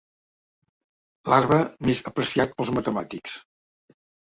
L'arbre més apreciat pels matemàtics.